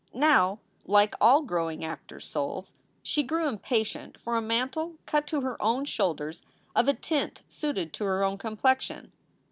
Now, like all growing actor souls, she grew impatient for SOULS FOR SALE 351 a mantle cut to her own shoulders of a tint suited to her own complexion.